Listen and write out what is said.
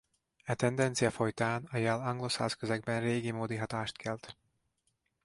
E tendencia folytán a jel angolszász közegben régimódi hatást kelt.